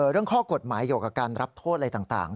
เรื่องข้อกฎหมายเกี่ยวกับการรับโทษอะไรต่าง